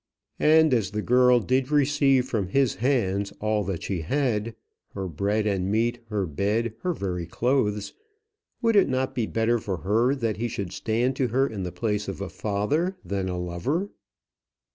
And as the girl did receive from his hands all that she had her bread and meat, her bed, her very clothes would it not be better for her that he should stand to her in the place of a father than a lover?